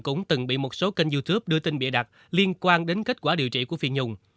cũng từng bị một số kênh youtube đưa tin bịa đặt liên quan đến kết quả điều trị của phiền nhung